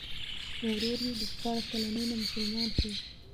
ورور یې د شپاړس کلنۍ نه مسلمان شو.